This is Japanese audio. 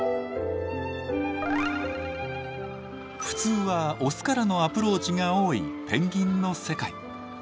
普通はオスからのアプローチが多いペンギンの世界。